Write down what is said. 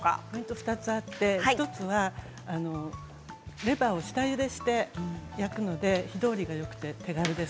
２つあって１つはレバーを下ゆでして焼くので火通りがよくて、手軽です。